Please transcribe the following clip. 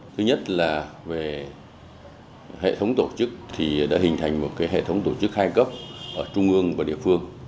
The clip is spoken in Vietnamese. thứ nhất là về hệ thống tổ chức thì đã hình thành một hệ thống tổ chức hai cấp ở trung ương và địa phương